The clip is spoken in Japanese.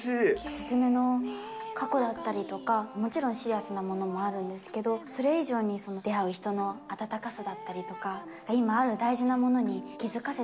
鈴芽の過去だったりとか、もちろんシリアスなものもあるんですけど、それ以上にその出会う人の温かさだったりとか、今ある大事なもの